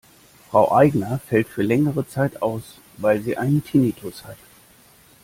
Frau Aigner fällt für längere Zeit aus, weil sie einen Tinnitus hat.